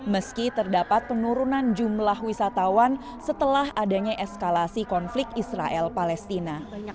meski terdapat penurunan jumlah wisatawan setelah adanya eskalasi konflik israel palestina